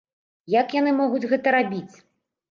Як яны могуць гэта рабіць?